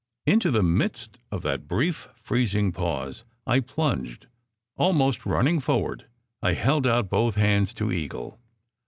Into the midst of that brief, freezing pause, I plunged. Almost running forward, I held out both hands to Eagle.